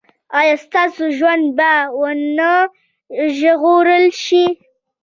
ایا ستاسو ژوند به و نه ژغورل شي؟